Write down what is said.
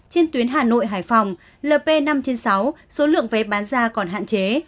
trên tuyến hà nội hải phòng lp năm trên sáu số lượng vé bán ra còn hạn chế